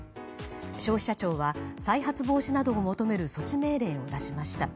消費者庁は再発防止などを求める措置命令を出しました。